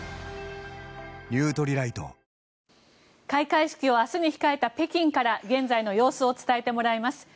開会式を明日に控えた北京から現在の様子を伝えてもらいます。